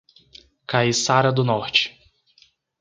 Caiçara do Norte